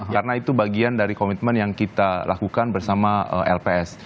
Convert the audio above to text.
karena itu bagian dari komitmen yang kita lakukan bersama lps